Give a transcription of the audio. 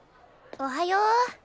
おはよう。